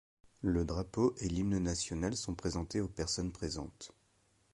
Le drapeau et l’hymne national sont présentés aux personnes présentes.